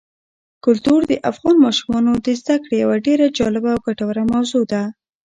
کلتور د افغان ماشومانو د زده کړې یوه ډېره جالبه او ګټوره موضوع ده.